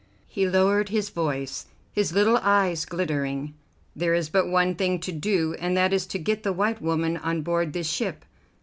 He lowered his voice, his little eyes glittering. "There is but one thing to do, and that is to get the white woman on board this ship."